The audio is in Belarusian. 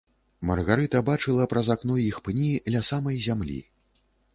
Маргарыта бачыла праз акно іх пні ля самай зямлі.